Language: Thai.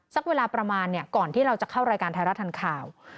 สักเวลาประมาณก่อนที่เราจะเข้ารายการไทยรัฐทันข่าว